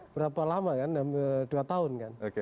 berapa lama kan dua tahun kan